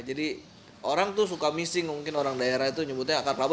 jadi orang tuh suka mising mungkin orang daerah itu nyebutnya akar kelapa